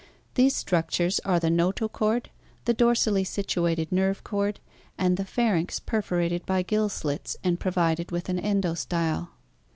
These structures are the notochord, the dorsally situated nerve cord, and the pharynx perforated by gill slits and provided with an endostyle.